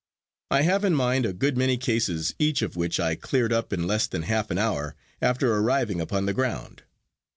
I have in mind a good many cases each of which I cleared up in less than half an hour after arriving upon the ground.